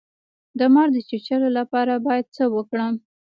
د مار د چیچلو لپاره باید څه وکړم؟